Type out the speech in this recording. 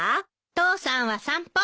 父さんは散歩。